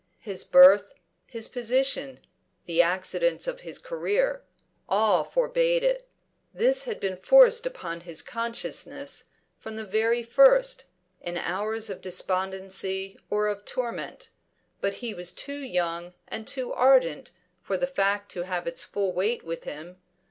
His birth, his position, the accidents of his career all forbade it. This had been forced upon his consciousness from the very first, in hours of despondency or of torment; but he was too young and too ardent for the fact to have its full weight with him.